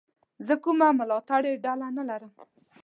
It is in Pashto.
زه کومه ملاتړلې ډله نه لرم.